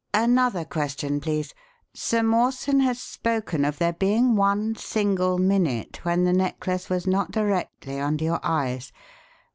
Another question, please. Sir Mawson has spoken of there being 'one single minute' when the necklace was not directly under your eyes.